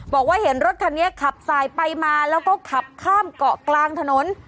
บอกว่าเห็นรถคันนี้ขับสายไปมาแล้วก็ขับข้ามเกาะกลางถนน